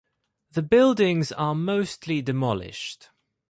The buildings are mostly demolished.